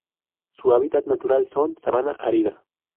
Su hábitat natural son: sabana árida.